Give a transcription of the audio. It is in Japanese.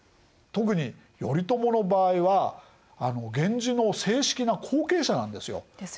特に頼朝の場合は源氏の正式な後継者なんですよ。ですよね。